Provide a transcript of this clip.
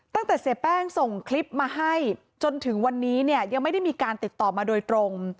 ตั้งแต่เสียแป้งส่งคลิปมาให้จนถึงวันนี้เนี่ยยังไม่ได้มีการติดต่อมาโดยตรง